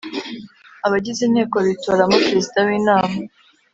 abagize Inteko bitoramo Perezida w’inama